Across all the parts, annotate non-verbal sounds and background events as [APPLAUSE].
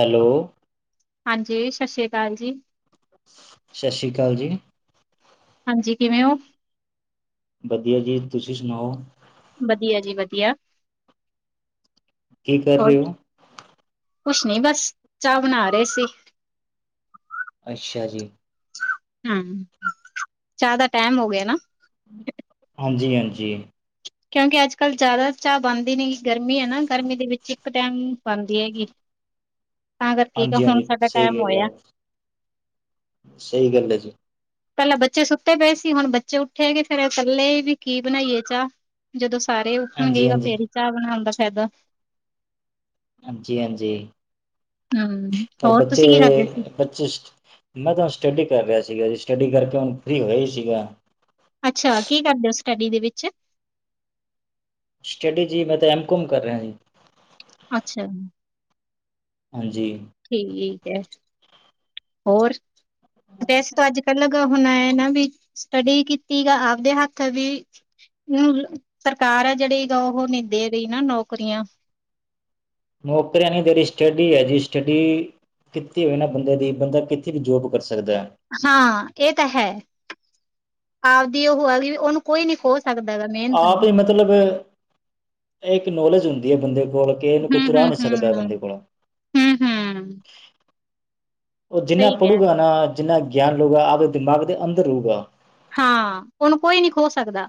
Hello ਹਾਂਜੀ ਸਤਿ ਸ੍ਰੀ ਅਕਾਲ ਜੀ ਸਤਿ ਸ੍ਰੀ ਅਕਾਲ ਜੀ ਹਾਂਜੀ ਕਿਵੇਂ ਓ? ਵਧੀਆ ਜੀ ਤੁਸੀਂ ਸੁਣਾਓ? ਵਧੀਆ ਜੀ ਵਧੀਆ ਕੀ ਕਰ ਹੋਰ ਰਹੇ ਹੋ ਕੁਛ ਨੀ ਬਸ ਚਾਹ ਬਣਾ ਰਹੇ ਸੀ ਅੱਛਾ ਜੀ ਹਮ ਜ਼ਿਆਦਾ ਟਾਈਮ ਹੋ ਗਿਆ ਨਾ ਹਾਂਜੀ ਹਾਂਜੀ ਕਿਉਂਕਿ ਅੱਜ ਕੱਲ ਜ਼ਿਆਦਾ ਚਾਹ ਬਣਦੀ ਨੇ ਗਰਮੀ ਹੈ ਨਾ ਗਰਮੀ ਦੇ ਵਿੱਚ ਇੱਕ ਟਾਈਮ ਬਣਦੀ ਹੈਗੀ ਤਾਂ ਕਰਕੇ ਕਿ ਹਾਂਜੀ ਹੁਣ ਹਾਂਜੀ, ਸਾਡਾ ਸਹੀ ਟਾਈਮ ਗੱਲ ਹੈ, ਹੋਇਆ ਸਹੀ ਗੱਲ ਹੈ ਜੀ। ਪਹਿਲਾਂ ਬੱਚੇ ਸੁੱਤੇ ਪਏ ਸੀ ਹੁਣ ਬੱਚੇ ਉੱਠੇ ਗ ਫੇਰ ਇਕੱਲੇ ਵੀ ਕੀ ਬਣਾਈਏ ਚਾਹ ਜਦੋਂ ਸਾਰੇ ਹਾਂਜੀ ਉੱਠਣਗੇਗਾ ਹਾਂਜੀ, ਫੇਰ ਚਾਹ ਬਣਾਉਂਦਾ ਫਾਇਦਾ ਹਾਂਜੀ ਹਾਂਜੀ ਹਮ, ਪਰ ਹੋਰ ਬੱਚੇ ਤੁਸੀਂ ਕੀ ਕਰਦੇ ਸੀ? ਬੱਚੇ ਮੈਂ ਤੁਹਾਨੂੰ ਸਟੱਡੀ ਕਰ ਰਿਹਾ ਸੀਗਾ ਜੀ ਸਟੱਡੀ ਕਰ ਹੁਣ ਫਰੀ ਹੋਇਆ ਹੀ ਸੀਗਾ ਅੱਛਾ ਕੀ ਕਰਦੇ ਹੋ ਸਟੱਡੀ ਦੇ ਵਿੱਚ ਸਟਡੀ ਜੀ ਮੈਂ ਤਾਂ ਐਮਕਮ ਕਰ ਰਿਹਾ ਜੀ ਅੱਛਾ ਹਾਂਜੀ ਠੀਕ ਹੈ ਹੋਰ ਵੈਸੇ ਤਾਂ ਅੱਜ ਕੱਲ ਹੁਣ ਇਹ ਨਾ ਵੀ ਸਟੱਡੀ ਕੀਤੀ ਗ ਆਪਦੇ ਹੱਥ ਵੀ ਸਰਕਾਰ ਹੈ ਜਿਹੜੀ ਗ ਉਹ ਨਿੰਦੇ ਰਹੀ ਨਾ ਨੌਕਰੀਆਂ ਨੌਕਰੀ ਨੇ ਜਰੀ ਸਟਡੀ ਹੈ ਜੀ ਸਟਡੀ ਕਿੱਥ ਹੋਏ ਨਾ ਬੰਦੇ ਦੀ ਬੰਦਾ ਕਿੱਥੇ ਵੀ ਜੋਬ ਕਰ ਸਕਦਾ ਹੈ ਹਾਂ ਇਹ ਤਾਂ ਹੈ ਆਪਦੀ ਉਹ ਹੋਆਗੀ ਵੀ ਉਹਨੂੰ ਕੋਈ ਨੀ ਖੋਜ ਆਪ ਹੀ ਮਤਲਬ ਇੱਕ ਨੌਲੇਜ ਹੁੰਦੀ ਹੈ ਬੰਦੇਲ ਬੋਲ ਕੇ ਇਹਨੂੰ ਹਮ ਕੁਝ ਰਾਹ ਹਮ ਨੀ ਸਕਦਾ ਬੰਦੇ ਹਮ ਕੋਲੋਂ ਹਮ ਹਮ ਉਹ ਜਿੰਨਾ ਸਹੀ ਕਹਿ ਪੜ੍ਹੂਗਾ ਨਾ ਜਿੰਨਾ ਗਿਆਨ ਲਊਗਾ ਆਪਦੇ ਦਿਮਾਗ ਦੇ ਅੰਦਰ ਰਹੇਗਾ ਹਾਂ ਉਹਨੂੰ ਕੋਈ ਨੀ ਖੋ ਸਕਦਾ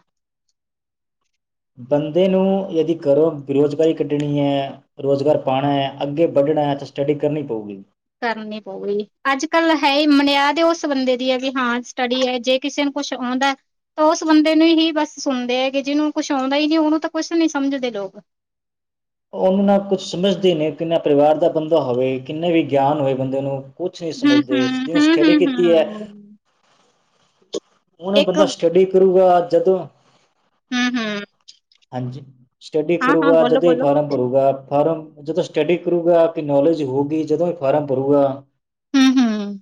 ਬੰਦੇ ਨੂੰ ਯਦੀ ਕਰੋ ਬੇਰੁਜ਼ਗਾਰੀ ਕੱਢਣੀ ਹੈ ਰੁਜ਼ਗਾਰ ਪਾਉਣਾ ਹੈ ਅੱਗੇ ਵੱਢਣਾ ਸਟੱਡੀ ਕਰਨੀ ਪਊਗੀ ਕਰਨੀ ਪਊਗੀ ਅੱਜ ਕੱਲ ਹੈ ਹੀ ਮਨਿਆਦ ਉਸ ਬੰਦੇ ਦੀ ਹੈ ਵੀ ਹਾਂ ਸਟੱਡੀ ਹੈ ਜੇ ਕਿਸੇ ਨੂੰ ਕੁਛ ਆਉਂਦਾ ਤਾਂ ਉਸ ਬੰਦੇ ਨੂੰ ਹੀ ਬਸ ਸੁਣਦੇ ਹੈ ਕਿ ਜਿਹਨੂੰ ਕੁਛ ਆਉਂਦਾ ਹੀ ਨਹੀਂ ਉਹਨੂੰ ਤਾਂ ਕੁਛ ਨਹੀਂ ਸਮਝਦੇ ਲੋਕ [INAUDIBLE] ਉਹਨੂੰ ਨਾ ਕੁਛ ਸਮਝਦੇ ਨੇ ਕਿੰਨਾ ਪਰਿਵਾਰ ਦਾ ਬੰਦਾ ਹੋਵੇ ਕਿੰਨੇ ਵੀ ਗਿਆਨ ਹੋਵੇ ਬੰਦੇ ਨੂੰ ਕੁਛ ਨਹੀਂ ਸਮਝਦੇ ਜਿਹਨੇ ਸਟੱਡੀ ਕੀਤੀ ਹੈ ਹੁਣ ਇੱਕ ਬੰਦਾ ਸਟੱਡੀ ਕਰੂਗਾ ਜਦੋਂ ਹਮ ਹਮ ਹਾਂਜੀ ਸਟੱਡੀ ਕਰੂਗਾ ਜਦੋਂ ਹੀ ਫਾਰਮ ਭਰੂਗਾ ਫਾਰਮ ਜਦੋਂ ਸਟੱਡੀ ਕਰੂਗਾ ਕਿ ਨੌਲੇਜ ਹੋਊਗੀ ਜਦੋਂ ਵੀ ਫਾਰਮ ਭਰੂਗਾ ਹਮ ਹਮ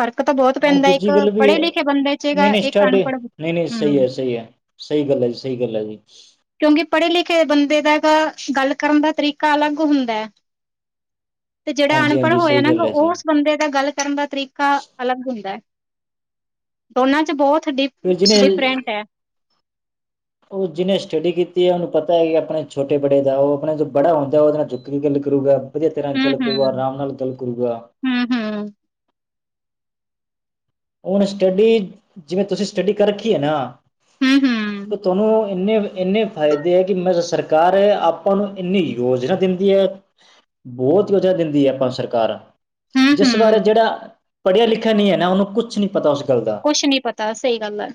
ਫਰਕ ਤਾਂ ਬਹੁਤ ਹੁਣ ਪੈਂਦਾ ਇੱਕ ਦੂਜੀ ਗੱਲ ਪੜ੍ਹੇ ਵੀ ਲਿਖੇ ਬੰਦੇ ਨਹੀਂ ਚਗਾ ਨਹੀਂ ਇੱਕ ਸਟਾਡੇ ਅਨਪੜ੍ਹ ਨਹੀਂ ਨਹੀਂ ਸਹੀ ਹਮ ਹੈ ਸਹੀ ਹੈ ਸਹੀ ਗੱਲ ਹੈ ਜੀ ਸਹੀ ਗੱਲ ਹੈ ਜੀ ਕਿਉਂਕਿ ਪੜ੍ਹੇ-ਲਿਖੇ ਬੰਦੇ ਦਾ ਹੈਗਾ ਗੱਲ ਕਰਨ ਦਾ ਤਰੀਕਾ ਅਲੱਗ ਹੁੰਦਾ ਹੈ ਤੇ ਜਿਹੜਾ ਹਾਂਜੀ ਅਨਪੜ੍ਹ ਹਾਂਜੀ ਹੋਇਆ ਸਹੀ ਨਾ ਗੱਲ ਹੈ ਜੀ ਉਸ ਬੰਦੇ ਦਾ ਗੱਲ ਕਰਨ ਦਾ ਤਰੀਕਾ ਅਲੱਗ ਹੁੰਦਾ ਹੈ ਦੋਨਾਂ ' ਬਹੁਤ ਡਿ ਫਿਰ ਜਿਹਨੇ ਡਿਫਰੈਂਟ ਹੈ ਉਹ ਜਿਹਨੇ ਸਟੱਡੀ ਕੀਤੀ ਹੈ ਉਹਨੂੰ ਪਤਾ ਹੈ ਕਿ ਆਪਣੇ ਛੋਟੇ ਬੜੇ ਦਾ ਉਹ ਆਪਣੇ ਜੋ ਬੜਾ ਹੁੰਦਾ ਉਹਦੇ ਨਾਲ ਚੁੱਕ ਕੇ ਗੱਲ ਕਰੂਗਾ ਵਧੀਆ ਤਰ੍ਹਾਂ ਹੁੰ, ਗੱਲ ਕਰੂਗਾ ਹੁੰ। ਆਰਾਮ ਨਾਲ ਗੱਲ ਕਰੂਗਾ ਹੁੰ, ਹੁੰ। ਹੁਣ ਸਟੱਡੀ ਜਿਵੇਂ ਤੁਸੀਂ ਸਟੱਡੀ ਕਰ ਰੱਖੀ ਹੈ ਨਾ ਹੁੰ, ਹੁੰ। ਤੁਹਾਨੂੰ ਨੇ ਇੰਨੇ ਫਾਇਦੇ ਕਿ ਮੈਂ ਸਰਕਾਰ ਸਰਕਾਰ ਆਪਾਂ ਨੂੰ ਇੰਨੀ ਯੋਜਨਾ ਦਿੰਦੀ ਹੈ ਬਹੁਤ ਵਜ੍ਹਾ ਦਿੰਦੀ ਹੈ ਆਪਾਂ ਸਰਕਾਰ ਹੁੰ, ਜਿਸ ਬਾਰੇ ਹੁੰ। ਜਿਹੜਾ ਪੜ੍ਹਿਆ ਲਿਖਿਆ ਨਹੀਂ ਹੈ ਨਾ ਉਹਨੂੰ ਕੁਛ ਨਹੀਂੀ ਪਤਾ ਹੋ ਸਕੇ ਕੁਛ ਨੀ ਪਤਾ ਸਹੀ ਗੱਲ ਹੈ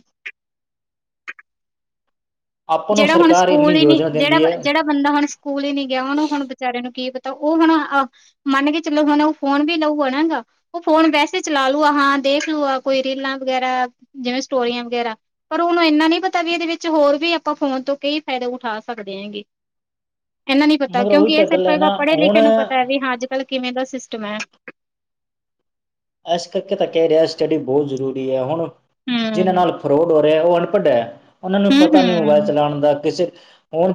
ਆਪਾਂ ਨੂੰ ਜਿਹੜਾ ਹੁਣ ਸਰਕਾਰ ਸਕੂਲ ਇੰਨੀ ਹੀ ਨੀ ਯੋਜਨਾ ਜਿਹੜਾ ਦਿੰਦੀ ਹੈ ਜਿਹੜਾ ਬੰਦਾ ਹੁਣ ਸਕੂ ਹੀ ਨ ਨਹੀਂੀ ਗਿਆ ਉਹਨੂੰ ਹੁਣ ਵਿਚਾਰੇ ਨੂੰ ਕੀ ਪਤਾ ਤਾਂ ਉਹ ਹੁਣ ਮੰਨ ਕੇ ਚਲੋ ਹੁਣ ਉਹ ਫੋਨ ਵੀ ਲਊ ਆ ਨਾ ਗਾ ਉਹ ਫੋਨ ਵੈਸੇ ਚਲਾ ਲੂ ਆ ਹਾਂ ਦੇਖ ਲੂ ਆ ਕੋਈ ਰੀਲਾਂ ਵਗੈਰਾ ਜਿਵੇਂ ਸਟੋਰੀਆਂ ਵਗੈਰਾ ਪਰ ਉਹਨੂੰ ਇੰਨਾ ਨੀ ਪਤਾ ਵੀ ਇਹਦੇ ਵਿੱਚ ਹੋਰ ਵੀ ਆਪਾਂ ਫੋਨ ਤੋਂ ਕਈ ਫ਼ਾਇਦੇ ਉਠਾ ਸਕਦੇ ਹੈਂਗੇ ਇਹਨਾ ਨਹੀਂ ਪਤਾ ਮਗਰ ਉਹੀ ਕਿਉਂਕਿ ਤਾਂ ਇਹ ਗੱਲ ਹੈ ਸਿਰਫ ਨਾ ਪੜ੍ਹੇ ਹੁਣ ਲਿਖੇ ਨੂੰ ਪਤਾ ਹੈ ਵੀ ਹਾਂ ਅੱਜ ਕੱਲ੍ਹ ਕਿਵੇਂ ਦਾ ਸਿਸਟਮ ਹੈ ਇਸ ਕਰਕੇ ਤਾਂ ਕਹਿ ਰਿਹਾ ਸਟੱਡੀ ਬਹੁਤ ਜ਼ਰੂਰੀ ਹੈ ਹੁਣ ਜਿਹਨਾਂ ਹਮ ਨਾਲ ਫਰੋਡ ਉਹ ਅਨਪੜ੍ਹ ਹੈ ਉਹਨਾਂ ਨੂੰ ਹਮ ਪਤਾ ਨਹੀਂ ਮੋਬਾਇਲ ਚਲਾਉਣ ਦਾ ਕਿਸੇ ਹੁਣ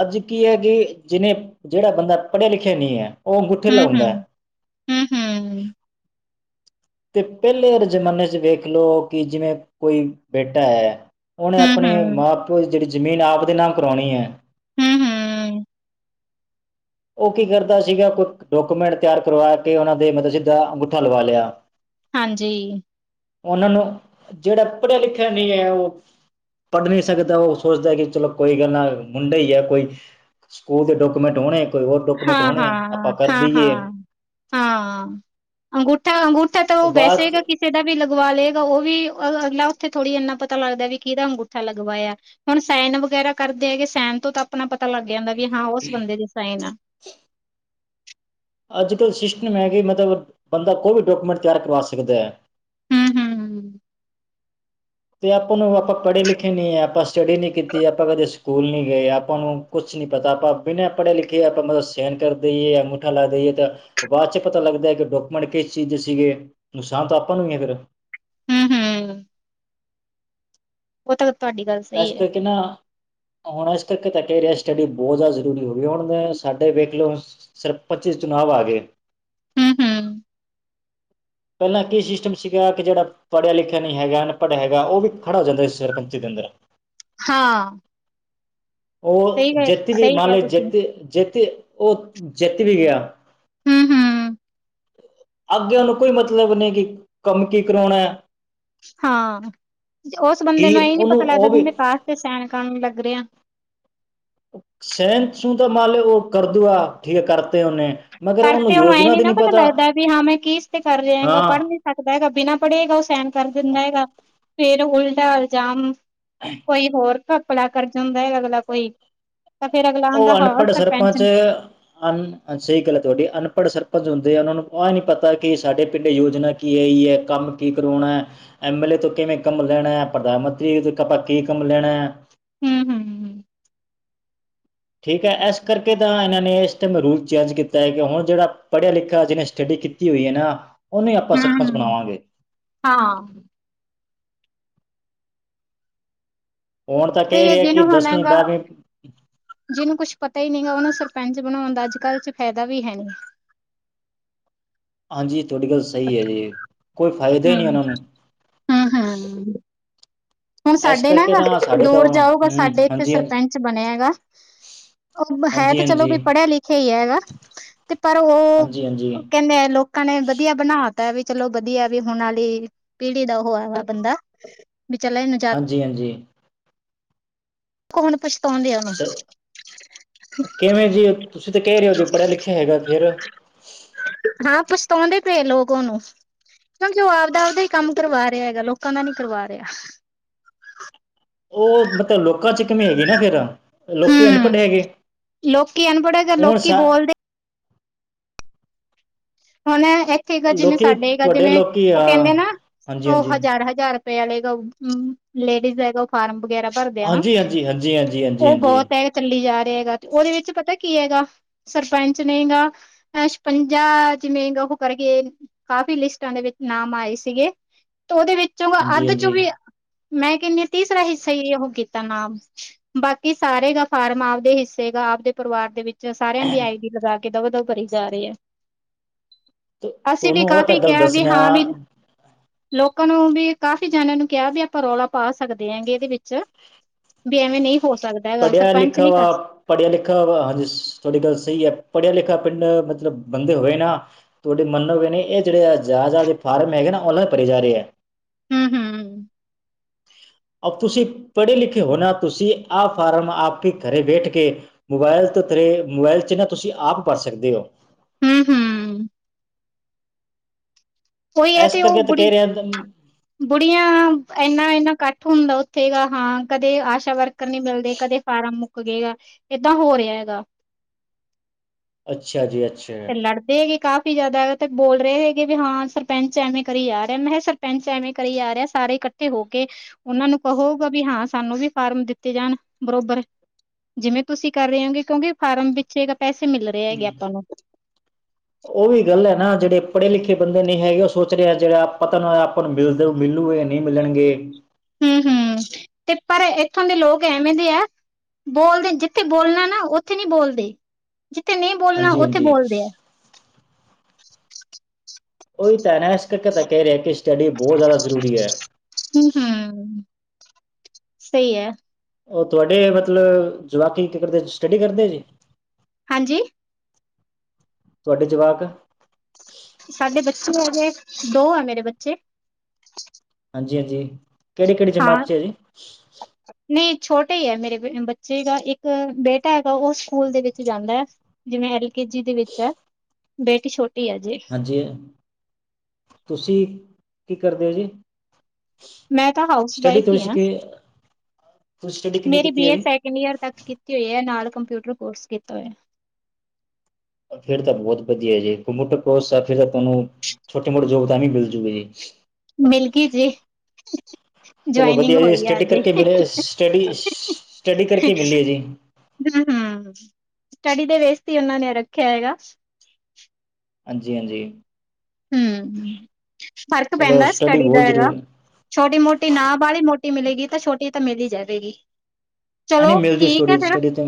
ਅੱਜ ਕੀ ਹੈ ਕਿ ਜਿਹਨੇ ਜਿਹੜਾ ਬੰਦਾ ਪੜ੍ਹਿਆ ਲਿਖਿਆ ਨਹੀਂ ਹੈ ਉਹ ਅੰਗੂਠੇ ਲਾਉਂਦਾ ਹੈ ਹਮ ਹਮ ਹਮ ਤੇ ਪਹਿਲੇ ਜ਼ਮਾਨੇ ਚ ਵੇਖ ਲਓ ਕਿ ਜਿਵੇਂ ਕੋਈ ਬੇਟਾ ਹੈ ਹਮ ਉਹਹਨੇ ਹਮ ਹਮ ਆਪਣੇ ਹਮ ਮਾਂ ਪਿਓ ਦੀ ਜਿਹੜੀ ਜ਼ਮੀਨ ਆਪ ਦੇ ਨਾਮ ਕਰਵਾਉਣੀ ਹੈ ਹਮ ਹਮ ਉਹ ਕੀ ਕਰਦਾ ਸੀਗਾ ਕੋਈ ਡਾਕੂਮੈਂਟ ਤਿਆਰ ਕਰਵਾ ਕੇ ਉਹਨਾਂ ਦੇ ਮਤਲਬ ਸਿੱਧਾ ਅੰਗੂਠਾ ਲਵਾ ਲਿਆ ਹਾਂਜੀ ਉਹਨਾਂ ਨੂੰ ਜਿਹੜਾ ਪੜ੍ਹਿਆ ਲਿਖਿਆ ਨਹੀਂ ਹੈ ਉਹ ਪੜ੍ਹ ਨਹੀਂ ਸਕਦਾ ਉਹ ਸੋਚਦਾ ਕਿ ਚਲੋ ਕੋਈ ਗੱਲ ਨਾ ਮੁੰਡਾ ਹੀ ਹੈ ਕੋਈ ਸਕੂਲ ਦੇ ਡਾਕੂਮੈਂਟ ਹੋਣੇ ਕੋਈ ਹੋਰ ਡਾਕੂਮੈਂਟ ਹਾਂ ਹੋਣੇ ਆਪਾਂ ਹਾਂ ਕਰ ਹਾਂ ਦਈਏ ਹਾਂ ਹਾਂ ਗਠਾ ਥੇ ਤਾਂ ਉਹ ਬਾਅਦ 'ਚ ਬੈਸੇਗਾ ਕਿਸੇ ਦਾ ਵੀ ਲਗਵਾ ਲਏਗਾ ਉਹ ਵੀ ਅ ਗ ਉੱਥੇ ਥੋੜ੍ਹੀ ਇੰਨਾ ਪਤਾ ਲੱਗਦਾ ਵੀ ਕਿਹਦਾ ਅੰਗੂਠਾ ਲੱਗਵਾ ਆ ਹੁਣ ਸੈਨ ਵਗੈਰਾ ਕਰਦੇ ਹੈਗੇ ਸੈਨ ਤੋਂ ਤਾਂ ਆਪਣਾ ਪਤਾ ਪਤਾ ਲੱਗ ਜਾਂਦਾ ਵੀ ਹਾਂ ਉਸ ਬੰਦੇ ਦੇ ਸਾਈਨ ਆ [INAUDIBLE] ਅਜ ਕਲ੍ਹ ਸਿਸਟਮ ਹੈ ਕਿ ਮਤਲਬ ਬੰਦਾ ਕੋਈ ਵੀ ਡਾਕੂਮੈਂਟ ਤਿਆਰ ਕਰਵਾ ਸਕਦਾ ਹੈ ਹਮ ਹਮ ਤੇ ਆਪਾਂ ਨੂੰ ਆਪਾਂ ਪੜ੍ਹੇ ਲਿਖੇ ਨਹੀਂ ਹੈ ਆਪਾਂ ਸਟੱਡੀ ਨੀ ਕੀਤੀ ਆਪਾਂ ਕਦੇ ਸਕੂਲ ਨੀ ਗਏ ਆਪਾਂ ਨੂੰ ਕੁਛ ਨਹੀਂ ਪਤਾ ਆਪਾਂ ਬਿਨਾਂ ਪੜ੍ਹੇ ਲਿਖੇ ਆਪਾਂ ਮਤਲਬ ਸੈਨ ਕਰ ਦੇਈਏੰ ਅੰਗੁਠਾ ਲਾ ਦੇਈਏ ਤਾਂ ਬਾਅਦ ਚ ਪਤਾ ਲੱਗਦਾ ਡਾਕੂਮੈਂਟ ਕਿਸ ਚੀਜ਼ ਦੇ ਸੀਗੇ ਨੁਕਸਾਨ ਤਾਂ ਆਪਾਂ ਨੂੰ ਹੀ ਹੈ ਫਿਰ [UNINTELLIGIBLE] [UNINTELLIGIBLE] ਸਹੀ ਇਸ ਹੈ ਕਰਕੇ ਨਾ [UNINTELLIGIBLE] ਸਟੱਡੀ ਬਹੁਤ ਜ਼ਿਆਦਾ ਜ਼ਰੂਰੀ ਹੋ ਗਈ ਹੁਣ ਸਾਡੇ ਵੇਖ ਲਓ ਸਿਰਫ ਪੱਚੀ ਚੁਣਾਵ ਆ ਗਏ [UNINTELLIGIBLE] ਪਹਿਲਾਂ ਕੀ ਸਿਸਟਮ ਸੀਗਾ ਕਿ ਜਿਹੜਾ ਪੜ੍ਹਿਆ ਲਿਖਿਆ ਨਹੀਂ ਹੈਗਾ ਅਨਪੜ੍ਹਿਆ ਹੈਗਾ ਉਹ ਵੀ ਖੜਾ ਹੋ ਜਾਂਦਾ ਸਰਪੰਚ ਦੇ ਅੰ [INAUDIBLE] ਹਾਂ ਸਹੀ ਉਹ ਗ ਜਿੱਤ ਵੀ ਸਹੀ ਮੰਨ ਕਿਹਾ ਲ ਤੁਸੀਂ ਜਿੱਤ ਜਿੱਤ ਉਹ ਜਿੱਤ ਵੀ ਗਿਆ [UNINTELLIGIBLE] ਅੱਗੇ ਉਹ ਨੂੰ ਕੋਈ ਮਤਲਬ ਨਹੀਂ ਕਿ ਕੰਮ ਕੀ ਕਰਾਉਣਾ ਹੈ ਹਾਂ ਉਸ ਬੰਦੇ ਕੀ ਨੂੰ ਇਹ ਨੀ ਉਹਨੂੰ ਪਤਾ ਲੱਗਦਾ ਉਹ ਕਿ ਵੀ ਮੈ ਕਾਹ ਤੇ ਸਾਈਨ ਕਰਨ ਲੱਗਾ ਗੇਆ ਸਹਿਨ ਸੂ ਤਾਂ ਮੰਨ ਲਓ ਉਹ ਕਰਦੂਗਾ ਠੀਕ ਕਰਤੇ ਉਹਨੇ ਮਗਰ ਉਹਨੂੰ ਕਰਤੇ ਹੁਣ ਐਏ ਯੋਜਨਾ ਨੀ ਦੀ ਨਾ ਨਹੀਂ ਪਤਾ ਲੱਗਦਾ ਵੀ ਹਾਂ ਮੈਂ ਕੀ ਤੇ ਕਰ ਰਿਹਾ ਹੈਗਾ ਹਾਂ ਪੜ੍ਹ ਨੀ ਸਕਦਾ ਹੈਗਾ ਬਿਨਾਂ ਪੜ੍ਹੇਗਾ ਉਹ ਸਾਈਨ ਕਰ ਦਿੰਦਾ ਹੈਗਾ ਫੇਰ ਉਲਟਾ ਈਲਜਾਾਮ ਕੋਈ ਹੋਰ ਘਪਲਾ ਕਰ ਅਗਲਾ ਕੋਈ ਤਾਂ ਫੇਰ ਅਗਲਾ ਆਂਦਾ ਉਹ ਹਾਂ ਅਨਪੜ੍ਹ ਸਰਪੰਚ ਅ ਸਹੀ ਗੱਲ ਤੁਹਾਡੇ ਅਨਪੜ੍ਹ ਸਰਪੰਚ ਹੁੰਦੇ ਆ ਉਹਨਾਂ ਨੂੰ ਆ ਨੀ ਪਤਾ ਕਿ ਸਾਡੇ ਪਿੰਡ ਯੋਜਨਾ ਕੀ ਆਈ ਹੈ ਕੰਮ ਕੀ ਕਰਾਉਣਾ ਐਮ ਐਲ ਏ ਤੋਂ ਕਿਵੇਂ ਕੰਮ ਲੈਣਾ ਹੈ ਪ੍ਰਧਾਨ ਮੰਤਰੀ ਆਪਾ ਕੀ ਕੰਮ ਲੈਣਾ ਹੈ [UNINTELLIGIBLE] ਠੀਕ ਹੈ ਇਸ ਕਰਕੇ ਤਾਂ ਇਹਨਾਂ ਨੇ ਇਸ ਟਾਈਮ ਰੂਲ ਚੇਂਜ ਕੀਤਾ ਹੈ ਕਿ ਹੁਣ ਜਿਹੜਾ ਪੜ੍ਹਿਆ ਲਿਖਿਆ ਜਿਹਨੇ ਸਟੱਡੀ ਕੀਤੀ ਹੋਈ ਹੈ ਨਾ ਉਹਨੂੰ ਹੀ ਆਪਾਂ ਸਰਪੰਚ ਹੂੰ ਬਣਾਵਾਂਗੇ। ਹਾਂ ਹੁਣ ਤਾਂ ਤੇ ਕਹਿ ਇਹ ਰਿਹਾ ਦਿਨ ਕਿ ਹੋਣਾ ਦਸਵੀਂ ਗਾ। ਬਾਰਵੀਂ ਜਿਹਨੂੰ ਕੁਛ ਪਤਾ ਹੀ ਨਹੀਂ ਉਹਨੂੰ ਸਰਪੰਚ ਬਣਾਉਣ ਦਾ ਅੱਜ ਕੱਲ ਚ ਫਾਇਦਾ ਵੀ ਹੈ ਨਹੀਂ। [INAUDIBLE] ਤੁਹਾਡੀ ਗੱਲ ਸਹੀ ਹੈ ਜੀ। ਕੋਈ ਫਾਇਦਾ ਹੂੰ ਨਹੀਂ ਉਹਨਾਂ ਨੂੰ। ਹੂੰ ਹੂੰ ਹੁਣ ਇਸ ਸਾਡੇ ਨਾ ਕਰਕੇ ਗਾ ਤਾਂ ਸਾਡੇ ਤਾਂ ਦੂਰ ਹੂੰ ਜਾਊਗਾ ਸਾਡੇ ਇੱਥੇ ਹਾਂਜੀ ਹਾਂਜੀ ਸਰਪੰਚ ਬਣਿਆ ਹੈਗ ਉਹ ਹੈ ਤੇ ਚਲੋ ਹਾਂਜੀ ਹਾਂਜੀ ਵੀ ਪੜ੍ਹਿਆ ਲਿਖਿਆ ਹੀ ਹੈ ਹੈਗਾ ਤੇ ਪਰ ਉਹ ਹਾਂਜੀ ਹਾਂਜੀ ਕਹਿੰਦੇ ਲੋਕਾਂ ਨੇ ਵਧੀਆ ਬਣਾ ਪਤਾ ਵੀ ਚਲੋ ਵਧੀਆ ਵੀ ਹੁਣ ਵਾਲੀ ਪੀੜੀ ਦਾ ਉਹ ਆ ਵਾ ਬੰਦਾ। ਚਲ ਇਹਨੂੰ ਜਾ ਹਾਂਜੀ ਹਾਂਜੀ। ਹੂਣ ਪਛਤਾਉਣ ਦਿਆਂ ਉਹਨੂੰ। ਸ ਕਿਵੇਂ ਜੀ ਤੁਸੀਂ ਤਾਂ ਕਹਿ ਰਹੇ ਹੋ ਜੀ ਪੜ੍ਹਿਆ ਲਿਖਿਆ ਹੈਗਾ ਫਿਰ। ਤਾਉਂਦੇ ਪਏ ਲੋਕ ਉਹਨੂੰ। ਕਿਉਂਕਿ ਉਹ ਆਪਦਾ ਆਪਦਾ ਹੀ ਕੰਮ ਕਰਵਾ ਰਿਹਾ ਹੈਗਾ ਲੋਕਾਂ ਦਾ ਨੀ ਕਰਵਾ ਰਿਹਾ। ਉਹ ਮਤਲਬ ਲੋਕਾਂ ਚ ਘਮੇਗੀ ਨਾ ਫਿਰ। ਲੋਕੀ ਅਨਪੜ੍ਹ ਹੂੰ ਹੈਗੇ ਲੋਕੀ ਅਨਪੜ੍ਹ ਹੈਗਾ ਹੁਣ ਲੋਕੀ ਬੋਲਦੇ [INAUDIBLE] ਹੁਣ ਇੱਥੇ ਗਜਿਵੇਂ ਲੋਕੀ ਸਾਡੇ ਤੁਹਾਡੇ ਗਾਜਿਵੇਂ ਲੋਕੀ ਆ ਉਹ ਕਹਿੰਦੇ ਨਾ ਉਹ ਹਾਂਜੀ-ਹਾਂਜੀ, ਹਾਂਜੀ-ਹਾਂਜੀ, ਹਜ਼ਾਰ ਹਜ਼ਾਰ ਵਾਲਗਾ ਲੇਡੀਜ਼ ਆਏਗਾ ਉਹ ਫਾਰਮ ਵਗੈਰਾ ਭਰਦੇ ਆ ਨਾ ਹਾਂਜੀ-ਹਾਂਜੀ, ਉਹ ਹਾਂਜੀ-ਹਾਂਜੀ, ਬਹੁਤ ਹੈਗਾ ਚੱਲੀ ਜਾ ਰਿਹਾ ਹੈਗਾ ਤੇ ਉਹਦੇ ਵਿੱਚ ਪਤਾ ਕੀ ਹੈਗਾ ਸਰਪੰਚ ਨਹੀਂ ਗਾ ਛਪੰਜਾ ਜਿਵੇਂ ਉਹ ਕਰਕੇ ਕਾਫੀ ਲਿਸਟਾਂ ਦੇ ਵਿੱਚ ਨਾਮ ਆਏ ਸੀਗੇ ਉਹਦੇ ਵਿੱਚੋਂ ਅੱਧ ਚੋਂ ਹਾਂਜੀ-ਹਾਂਜੀ ਵੀ ਮੈਂ ਕਹਿੰਨੀ ਹਾਂ ਤੀਸਰਾ ਹਿੱਸਾ ਹੀ ਉਹ ਕੀਤਾ ਨਾਮ ਬਾਕੀ ਸਾਰੇ ਦਾ ਫਾਰਮ ਆਪਦੇ ਹਿੱਸੇ ਗ ਆਪਦੇ ਪਰਿਵਾਰ ਦੇ ਵਿੱਚ ਸਾਰਿਆਂ ਦੀ ਆਈ ਡੀ ਲਗਾ ਕੇ ਦਬਾ ਦਬ ਭਰੀ ਜਾ ਰਹੀ ਹੈ। ਅਸੀਂ ਵੀ ਤੁਹਾਨੂੰ ਉਹ ਤਾਂ ਕਾਫੀ ਗੱਲ ਕਿਹਾ ਵੀ ਦੱਸਣਿਆ ਹਾਂ ਵੀ ਲੋਕਾਂ ਨੂੰ ਵੀ ਕਾਫ਼ੀ ਜਣਿਆਂ ਨੂੰ ਕਿਹਾ ਵੀ ਆਪਾਂ ਰੌਲਾ ਪਾ ਸਕਦੇ ਹੈਂਗੇ ਇਹਦੇ ਵਿੱਚ ਵੀ ਐਵੇਂ ਨਹੀਂ ਹੋ ਸਕਦਾ ਹੈਗਾ ਪੜ੍ਹਿਆ ਸਰਪੰਚ ਲਿਖਿਆ ਨਹੀਂ ਵਾ ਕਰ ਪੜ੍ਹਿਆ ਲਿਖਿਆ ਵਾ ਹਾਂਜੀ ਤੁਹਾਡੀ ਗੱਲ ਸਹੀ ਹੈ ਪੜ੍ਹਿਆ ਲਿਖਿਆ ਪਿੰਡ ਮਤਲਬ ਬੰਦੇ ਹੋਏ ਨਾ ਤੁਹਾਡੇ ਮੰਨ ਹੋਵੇ ਨੇ ਇਹ ਜਿਹੜੇ ਆ ਜਿਆ ਜ ਦੇ ਫਾਰਮ ਹੈਗੇ ਨਾ ਉਹਨਾਂ ਪਰ ਜਾ ਰਿਹਾ। ਹਮ ਹਮ। ਅ ਤੁਸੀਂ ਪੜ੍ਹੇ ਲਿਖੇ ਹੋਣਾ ਤੁਸੀਂ ਆਹ ਫਾਰਮ ਆਪ ਹੀ ਘਰੇ ਬੈਠ ਕੇ ਮੋਬਾਇਲ ਤੋਂ ਤੇਰੇ ਮੋਬਾਇਲ ਚ ਨਾ ਤੁਸੀਂ ਆਪ ਭਰ ਸਕਦੇ ਹੋ। ਹਮ ਹਮ। ਕੋਈ ਹੈ ਇਸ ਤੇ ਉਹ ਕਰਕੇ ਤਾਂ ਬੁੜੀ ਕਹਿ ਰਿਹਾ ਬੁੜੀਆਂ ਇਨ੍ਹਾਂ ਇਨ੍ਹਾਂ ਕੱਟ ਹੁੰਦਾ ਉੱਥੇ ਗ ਹਾਂ ਕਦੇ ਆਸ਼ਾ ਵਰਕਰ ਨੀ ਮਿਲਦੇ ਕਦੇ ਫਾਰਮ ਮੁ ਰੁੱਕ ਗਏਗਾ ਏਦਾਂ ਹੋ ਰਿਹਾ ਹੈਗਾ। ਅੱਛਾ ਜੀ ਅੱਛਾ ਤੇ ਲੜਦੇ ਹੈਗੇ ਕਾਫੀ ਵੀ ਜ਼ਿਆਦਾ ਤ ਬੋਲ ਰਹੇ ਹੈਗੇ ਵੀ ਹਾਂ ਸਰਪੰਚ ਐਵੇਂ ਕਰੀ ਆ ਰਿਹਾ ਮੈਂ ਕਿਹਾ ਸਰਪੰਚ ਐਵੇਂ ਕਰੀ ਆ ਰਿਹਾ ਸਾਰੇ ਇਕੱਠੇ ਹੋ ਕੇ ਉਹਨਾਂ ਨੂੰ ਕਹੋਗਾ ਵੀ ਹਾਂ ਸਾਨੂੰ ਵੀ ਫਾਰਮ ਦਿੱਤੇ ਜਾਣ ਬਰੋਬਰ। ਜਿਵੇਂ ਤੁਸੀਂ ਕਰ ਰਹੇ ਹੋਗੇ ਕਿਉਂਕਿ ਫਾਰਮ ਵਿੱਚ ਪੈਸੇ ਮਿਲ ਰਹੇ ਹੈਗੇ ਆਪਾਂ ਨੂੰ ਉਹ ਵੀ ਗੱਲ ਹੈ ਨਾ ਜਿਹੜੇ ਪੜ੍ਹੇ ਲਿਖੇ ਬੰਦੇ ਨਹੀਂ ਹੈਗੇ ਉਹ ਸੋਚ ਰਹਾ ਜਿਹੜਾ ਪਤਾ ਨਾ ਆਪਾਂ ਨੂੰ ਮਿਲਦੇ ਮਿਲੂਗੇ ਨਹੀਂ ਮਿਲਣਗੇ। ਹਮ ਹਮ ਤੇ ਪਰ ਇੱਥੋਂ ਦੇ ਲੋਕ ਐਵੇਂ ਦੇ ਆ ਬੋਲਦੇ ਜਿੱਥੇ ਬੋਲਣਾ ਨਾ ਉੱਥੇ ਨਹੀਂ ਬੋਲਦੇ। ਜਿੱਥੇ ਨਹੀਂ ਬੋਲਣਾ ਹਾਂਜੀ ਉੱਥੇ ਹਾਂਜੀ ਬੋਲਦੇ ਆ। ਓ ਤਾਂ ਨਾ ਇਸ ਕਰਕੇ ਤਾਂ ਕਹਿ ਰਿਹਾ ਕਿ ਸਟੱਡੀ ਬਹੁਤ ਜ਼ਿਆਦਾ ਜ਼ਰੂਰੀ ਹੈ। ਹੂੰ, ਸਹੀ ਹੈ ਉਹ ਤੁਹਾਡੇ ਮਤਲਬ ਜਵਾਕੀ ਕੀ ਕਰਦੇ ਸਟੱਡੀ ਕਰਦੇ ਜੀ ਹਾਂਜੀ ਤੁਹਾਡੇ ਜਵਾਕ ਸਾਡੇ ਬੱਚੇ ਹੈਗੇ ਦੋ ਹੈ ਮੇਰੇ ਬੱਚੇ ਹਾਂਜੀ ਹਾਂਜੀ ਕਿਹੜੀ ਕਿਹੜੀ ਹਾਂ, ਜਮਾਤ ਚ ਹੈ ਜੀ ਬੇਟ ਹੀ ਹੈ ਮੇਰੇ ਬੱਚੇਗਾ ਇੱਕ ਬੇਟਾ ਹੈਗਾ ਉਹ ਸਕੂਲ ਦੇ ਵਿੱਚ ਜਾਂਦਾ ਹੈ ਜਿਵੇਂ ਐਲ ਕੇ ਜੀ ਦੀ ਵਿੱਚ ਹੈ ਬੇਟੀ ਛੋਟੀ ਹੈ ਅਜੇ, ਹਾਂਜੀ ਤੁਸੀਂ ਕੀ ਕਰਦੇ ਹੋ ਜੀ ਮੈਂ ਤਾਂ ਹਾਊਸ ਸਟੱਡੀ ਵਾਈਫ ਹੀ ਤੁਸੀਂ ਹਾਂ ਕਿ ਤੁਸੀਂ ਸਟੱਡੀ ਕਿੰਨੀ ਮੇਰੀ ਕੀਤੀ ਬੀ ਹੈ ਏ ਜੀ ਸੈਕਿੰਡ ਈਅਰ ਤੱਕ ਕੀਤੀ ਹੋਈ ਹੈ ਨਾਲ ਕੰਪਿਊਟਰ ਕੋਰਸ ਕੀਤਾ ਹੋਇਆ ਫੇਰ ਤਾਂ ਬਹੁਤ ਵਧੀਆ ਜੀ ਘੂਟਰੋਸ ਫਿਰ ਤਾਂ ਤੁਹਾਨੂੰ ਛੋਟੇ ਮੋਟੇ ਜੋਬ ਤਾਂ ਵੀ ਮਿਲਜੂਗੇ ਜੀ ਮਿਲ ਗ ਜੇ ਚਲੋ ਵਧੀਆ ਜੀ ਸਟੱਡੀ ਕਰਕੇ ਮਲੇ ਸਟ ਸਟਡੀ ਕਰਕੇ ਮਿਲੀ ਹੈ ਜੀ ਹਮ ਹਮ ਸੜੀ ਦੇ ਵੇਸ ਹੀ ਉਹਨਾਂ ਨੇ ਰੱਖਿਆ ਹੈਗਾ ਹਾਂਜੀ ਹਾਂਜੀ ਹਮ ਫ਼ਰਕ ਚਲੋ ਪੈਂਦਾ ਸਟੱਡੀ ਸਟੜੀ ਦਾ ਬਹੁਤ ਹੈਗਾ ਜ਼ਰੂਰੀ ਛੋਟੀ ਮੋਟੀ ਨਾ ਬਾਹਲੀ ਮੋਟੀ ਮਿਲੇਗੀ ਤਾਂ ਛੋਟੀ ਤਾਂ ਮਿਲ ਹੀ ਜਾਵੇਗੀ ਐ ਨਹੀਂ ਚਲੋ ਮਿਲ ਜੂ ਠੀਕ ਹੈ ਸਟੱਡੀ ਫਿਰ ਸਟੱਡੀ ਤਾਂ